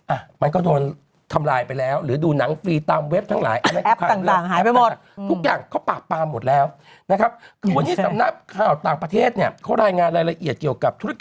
อ่ะมันก็โดนทำลายไปแล้วหรือดูหนังฟรีตามเว็บทั้งหลาย